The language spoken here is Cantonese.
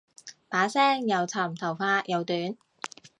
把聲又沉頭髮又短